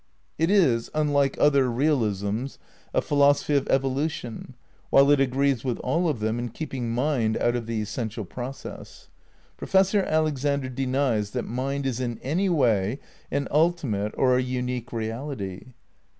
It is, unlike other realisms, a philosophy of evolu tion, while it agrees with all of them in keeping mind out of the essential process. Professor Alexander denies that mind is in any way an ultimate or a unique reality.